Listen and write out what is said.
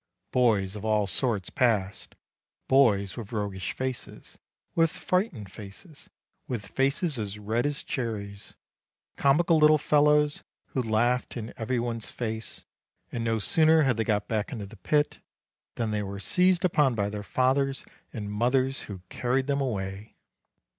Boys of all sorts passed, boys with roguish faces, with frightened faces, with faces as red as cherries; comical little fellows, who laughed in every one's face: and no sooner had they got back into the pit, than they were seized upon by their fathers and mothers, who carried them away.